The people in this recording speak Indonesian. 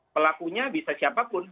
pelakunya bisa siapapun